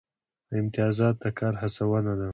امتیازات د کار هڅونه ده